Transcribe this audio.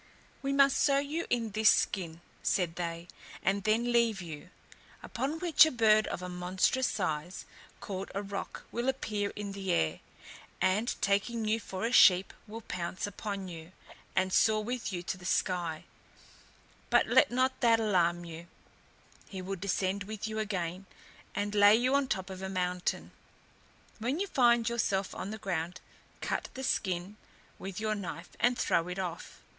"We must sew you in this skin," said they, "and then leave you; upon which a bird of a monstrous size, called a roc, will appear in the air, and taking you for a sheep, will pounce upon you, and soar with you to the sky: but let not that alarm you; he will descend with you again, and lay you on the top of a mountain. When you find yourself on the ground, cut the skin with your knife, and throw it off.